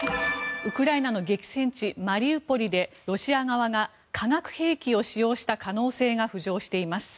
ウクライナの激戦地マリウポリでロシア側が化学兵器を使用した可能性が浮上しています。